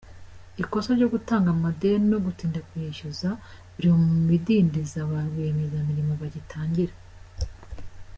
Ikosa ryo gutanga amadeni no gutinda kuryishyuza biri mu bidindiza ba rwiyemezamirimo bagitangira.